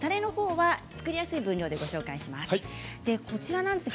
作りやすい分量でご紹介します。